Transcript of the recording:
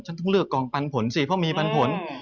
ต้องเลือกกองปันผลสิเพราะมีปันผล